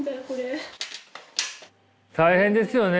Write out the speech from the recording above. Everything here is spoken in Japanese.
大変ですよね。